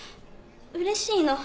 うれしいの。